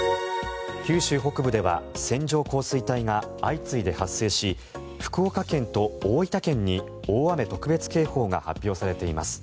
九州北部では線状降水帯が相次いで発生し福岡県と大分県に大雨特別警報が発表されています。